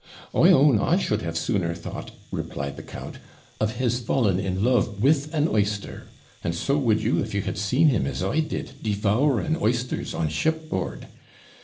'I own I should have sooner thought,' replied the count, 'Of his falling in love with an oyster; and so would you, if you had seen him, as I did, devouring oysters on shipboard.